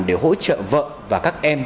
để hỗ trợ vợ và các em